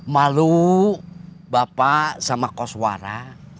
malu bapak sama kos warah